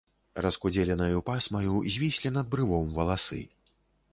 Раскудзеленаю пасмаю звіслі над брывом валасы.